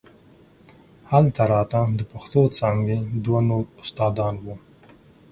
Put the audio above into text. هلته راته د پښتو څانګې دوه نور استادان وو.